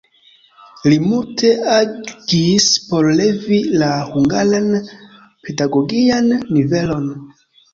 Li multe agis por levi la hungaran pedagogian nivelon.